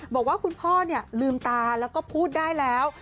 บอกว่าคุณพ่อลืมตาแล้วก็พูดได้แล้ว